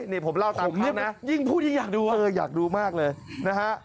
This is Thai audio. นี่ผมเล่าตามครั้งนะครับอย่างพูดยิ่งอยากดูอยากดูมากเลยนะฮะ